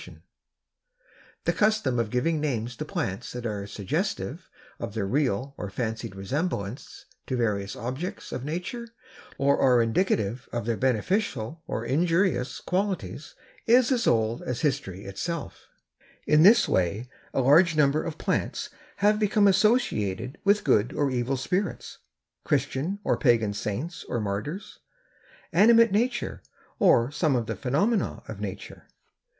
FROM "NATURE'S GARDEN" COPYRIGHT 1900, BY DOUBLEDAY PAGE & COMPANY] The custom of giving names to plants that are suggestive of their real or fancied resemblance to various objects of nature, or are indicative of their beneficial or injurious qualities, is as old as history itself. In this way a large number of plants have become associated with good or evil spirits, Christian or pagan saints or martyrs, animate nature or some of the phenomena of nature.